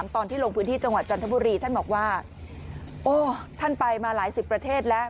ตอนที่ลงพื้นที่จังหวัดจันทบุรีท่านบอกว่าโอ้ท่านไปมาหลายสิบประเทศแล้ว